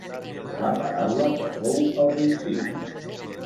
La paraula que fou al principi.